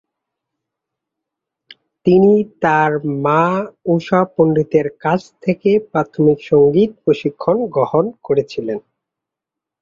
তিনি তাঁর মা ঊষা পণ্ডিতের কাছ থেকে প্রাথমিক সংগীত প্রশিক্ষণ গ্রহণ করেছিলেন।